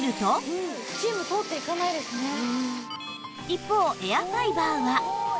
一方エアファイバーは